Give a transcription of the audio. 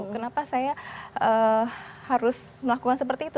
kenapa saya harus melakukan seperti itu